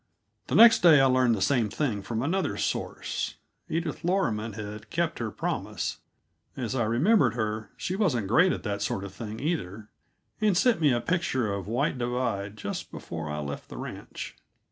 The next day I learned the same thing from another source. Edith Loroman had kept her promise as I remembered her, she wasn't great at that sort of thing, either and sent me a picture of White Divide just before I left the ranch.